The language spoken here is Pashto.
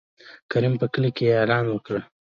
کريم په کلي کې يې اعلان وکړ.